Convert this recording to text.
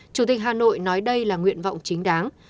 chủ tịch hà nội nói đây là nguyện vọng chính đáng